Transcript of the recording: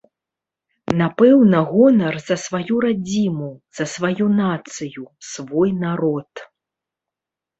Напэўна, гонар за сваю радзіму, за сваю нацыю, свой народ.